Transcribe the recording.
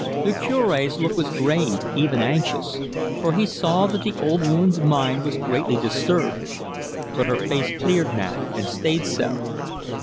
The Cure's look was grave, even anxious, for he saw that the old woman's mind was greatly disturbed. But her face cleared now, and stayed so.